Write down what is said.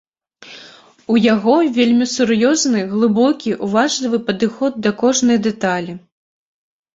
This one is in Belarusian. У яго вельмі глыбокі, сур'ёзны, уважлівы падыход да кожнай дэталі.